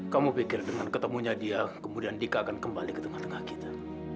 kamu pikir dengan ketemunya dia kemudian dika akan kembali ke tengah tengah kita